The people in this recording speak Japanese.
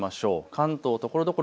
関東ところどころ